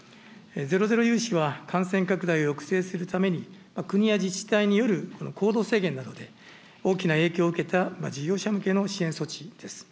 ゼロゼロ融資は、感染拡大を抑制するために、国や自治体による行動制限などで大きな影響を受けた事業者向けの支援措置です。